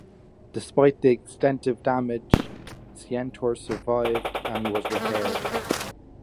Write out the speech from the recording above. Despite the extensive damage, "Centaur" survived and was repaired.